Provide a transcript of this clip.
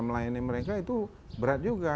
melayani mereka itu berat juga